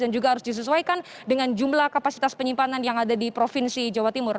dan juga harus disesuaikan dengan jumlah kapasitas penyimpanan yang ada di provinsi jawa timur